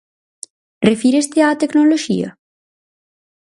Refíreste á tecnoloxía?